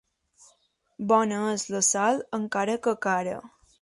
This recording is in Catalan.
Bona és la sal, encara que cara.